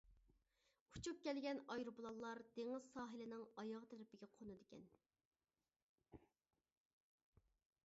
ئۇچۇپ كەلگەن ئايروپىلانلار دېڭىز ساھىلىنىڭ ئاياغ تەرىپىگە قونىدىكەن.